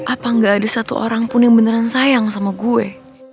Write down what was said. apa nggak ada satu orang pun yang beneran sayang sama gue